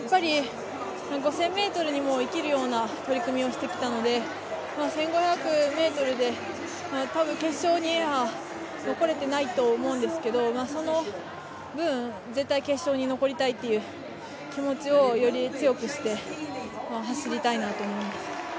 ５０００ｍにも生きるような取り組みをしてきたので１５００ｍでたぶん決勝には残れてないと思うんですけど、その分、絶対に決勝に残りたいという気持ちをより強くして走りたいなと思います。